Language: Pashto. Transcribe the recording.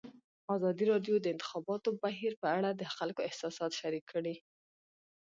ازادي راډیو د د انتخاباتو بهیر په اړه د خلکو احساسات شریک کړي.